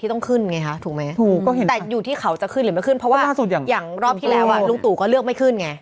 แต่อยู่ที่เขาจะขึ้นหรือไม่ขึ้นเพราะว่าอย่างรอบที่แล้วลุงตู่ก็เลือกไม่ขึ้นไง